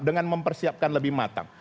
dengan mempersiapkan lebih matang